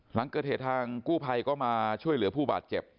หลังเกิดเหตุทางกู้ภัยก็มาช่วยเหลือผู้บาดเจ็บ